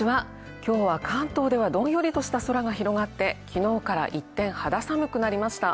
今日は関東ではどんよりとした空が広がって昨日から一転、肌寒くなりました。